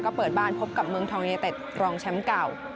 ก็เปิดบ้านพบกับเมืองทองยูเนเต็ดรองแชมป์เก่า